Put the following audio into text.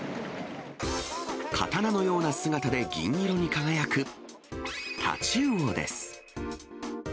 刀のような姿で銀色に輝く、タチウオです。